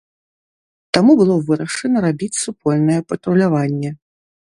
Таму было вырашана рабіць супольнае патруляванне.